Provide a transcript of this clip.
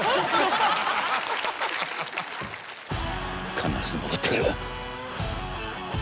必ず戻ってくる。